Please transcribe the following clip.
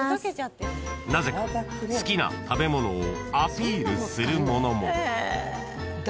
［なぜか好きな食べ物をアピールするものも］